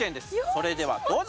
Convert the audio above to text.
それではどうぞ！